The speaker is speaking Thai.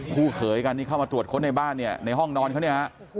คู่เขยกันเข้ามาตรวจค้นในบ้านในห้องนอนเขา